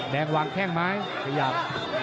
แดงวางแข้งไหมขยับ